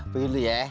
gue yuk dulu ya